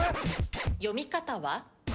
読み方は？